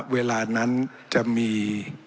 เวลานั้นจะมี